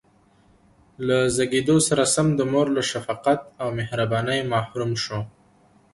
له زېږېدو سره سم د مور له شفقت او مهربانۍ محروم شو.